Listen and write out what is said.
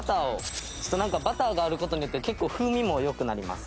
ちょっとなんかバターがある事によって結構風味も良くなります。